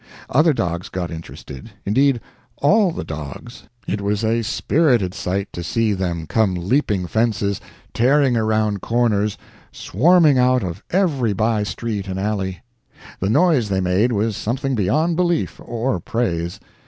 Other dogs got interested; indeed, all the dogs. It was a spirited sight to see them come leaping fences, tearing around corners, swarming out of every bystreet and alley. The noise they made was something beyond belief or praise.